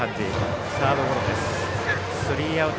スリーアウト。